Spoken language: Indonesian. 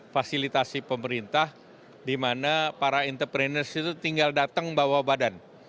fasilitasi pemerintah di mana para entrepreneurs itu tinggal datang bawa badan